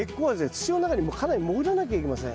土の中にかなり潜らなきゃいけません。